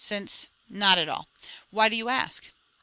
"Since, not at all. Why do you ask?"